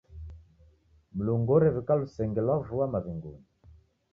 Mlungu orew'ika lusenge lwa vua maw'ingunyi.